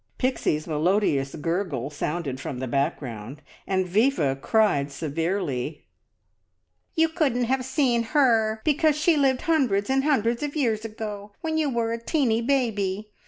Pixie's melodious gurgle sounded from the background, and Viva cried severely "You couldn't have seen her, because she lived hundreds and hundreds of years ago, when you were a teeny baby.